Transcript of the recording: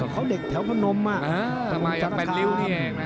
ภาพยาปุ่มริวน์